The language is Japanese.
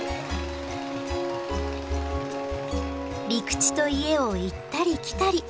陸地と家を行ったり来たり。